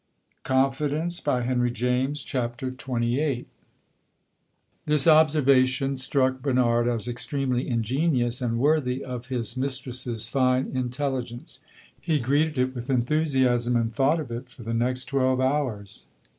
She is intensely in love with him!" CHAPTER XXVIII This observation struck Bernard as extremely ingenious and worthy of his mistress's fine intelligence; he greeted it with enthusiasm, and thought of it for the next twelve hours.